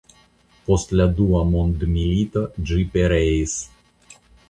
Post la Dua mondmilito ĝi pereis.